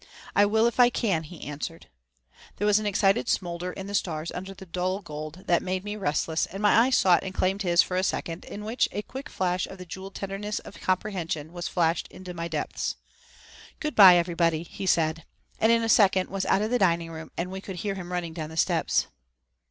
"I will if I can," he answered. There was an excited smoulder in the stars under the dull gold that made me restless and my eyes sought and claimed his for a second in which a quick flash of the jeweled tenderness of comprehension was flashed into my depths. "Good bye, everybody," he said, and in a second was out of the dining room and we could hear him running down the steps.